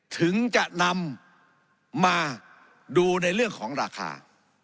ถึงจะนำมาดูในเรื่องของราคา